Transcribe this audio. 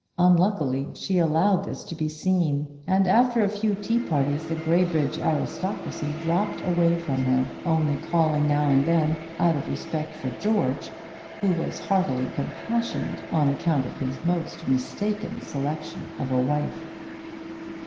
Unluckily she allowed this to be seen; and, after a few tea parties, the Graybridge aristocracy dropped away from her, only calling now and then, out of respect for George, who was heartily compassionated on account of his most mistaken selection of a wife.